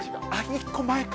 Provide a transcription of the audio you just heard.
１個前か。